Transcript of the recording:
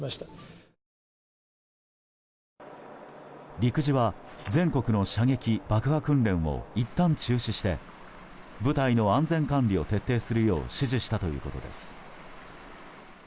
陸自は全国の射撃・爆破訓練をいったん中止して部隊の安全管理を徹底するよう指示したということです。